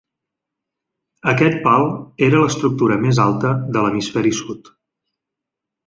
Aquest pal era l'estructura més alta de l'hemisferi sud.